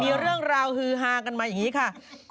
มีเรื่องราวฮือฮากันมาอย่างนี้ค่ะ